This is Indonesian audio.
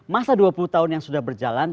masa dua puluh tahun yang sudah berjalan